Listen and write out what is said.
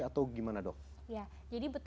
atau gimana dok ya jadi betul